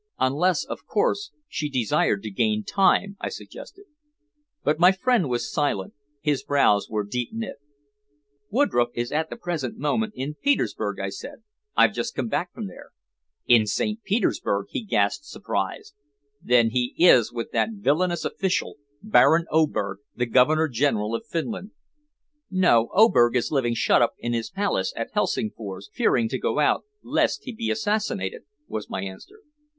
"Unless, of course, she desired to gain time," I suggested. But my friend was silent; his brows were deep knit. "Woodroffe is at the present moment in Petersburg," I said. "I've just come back from there." "In St. Petersburg!" he gasped, surprised. "Then he is with that villainous official, Baron Oberg, the Governor General of Finland." "No; Oberg is living shut up in his palace at Helsingfors, fearing to go out lest he shall be assassinated," was my answer.